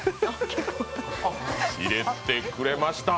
入れてくれました！